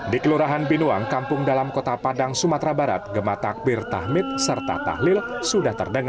di kelurahan binuang kampung dalam kota padang sumatera barat gematak birtahmit serta tahlimah